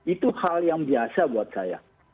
itu hal yang biasa buat saya